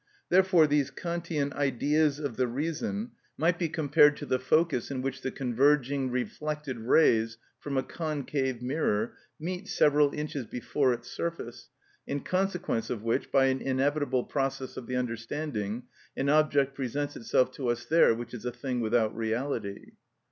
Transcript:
Therefore these Kantian "Ideas of the Reason" might be compared to the focus in which the converging reflected rays from a concave mirror meet several inches before its surface, in consequence of which, by an inevitable process of the understanding, an object presents itself to us there which is a thing without reality.